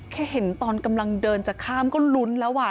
เห็นตอนกำลังเดินจะข้ามก็ลุ้นแล้วอ่ะ